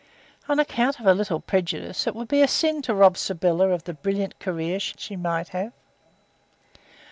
On account of a little prejudice it would be a sin to rob Sybylla of the brilliant career she might have."